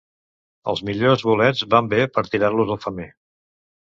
Els millors bolets van bé per tirar-los al femer.